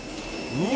うわ！